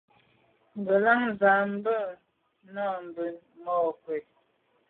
Ngelan ze me na’ mbe mônke’.